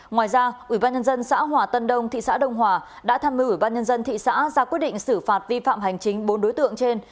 ngoài ra ủy ban nhân dân xã hòa tân đông thị xã đông hòa đã tham mưu ủy ban nhân dân thị xã ra quyết định xử phạt vi phạm hành chính bốn đối tượng trên